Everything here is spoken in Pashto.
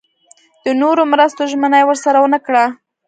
د نورو مرستو ژمنه یې ورسره ونه کړه.